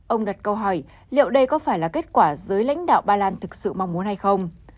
ông đặt câu hỏi liệu đây có phải là kết quả giới lãnh đạo ba lan thực sự mong muốn hay không